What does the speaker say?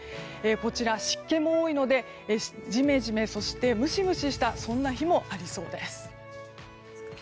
こちら、湿気も多いのでジメジメ、そしてムシムシしたそんな日もありそうです。